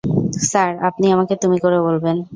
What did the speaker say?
Sir, আপনি আমাকে তুমি করে বলবেন।